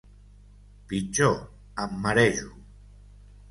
Pitjor. Em marejo.